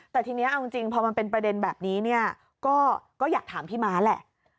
แต่ทีนี้เอาจริงพอมันเป็นประเด็นแบบนี้เนี่ยก็อยากถามพี่ม้าแหละ